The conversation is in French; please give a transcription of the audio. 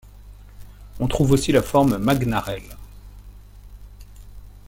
On trouve aussi la forme magnarelle.